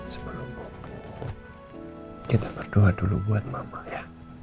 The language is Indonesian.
sebelum buku kita berdoa dulu buat mama ya